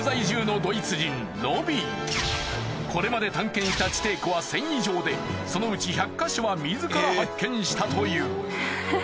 これまで探検した地底湖は１，０００以上でそのうち１００か所は自ら発見したという。